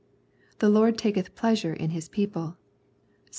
The Lord taketh pleasure in His people " (Ps.